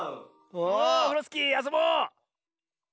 オフロスキーあそぼう！